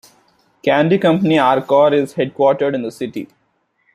Candy company Arcor is headquartered in the city.